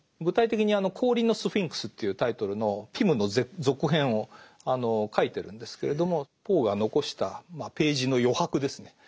具体的に「氷のスフィンクス」っていうタイトルの「ピム」の続編を書いてるんですけれどもポーが残したページの余白ですね。